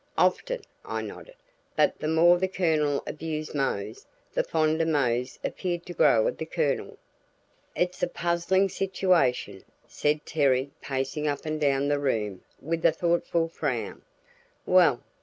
"Often," I nodded, "but the more the Colonel abused Mose, the fonder Mose appeared to grow of the Colonel." "It's a puzzling situation," said Terry pacing up and down the room with a thoughtful frown. "Well!"